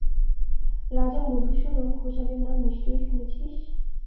রাজা মধুসূদন ঘোষালের নাম নিশ্চয়ই শুনেছিস।